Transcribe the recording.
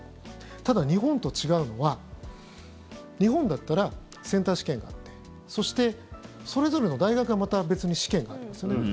ただ、日本と違うのは日本だったらセンター試験があってそして、それぞれの大学がまた別に試験がありますよね。